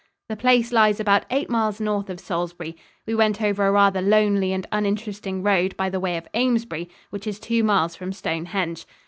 The place lies about eight miles north of Salisbury. We went over a rather lonely and uninteresting road by the way of Amesbury, which is two miles from Stonehenge.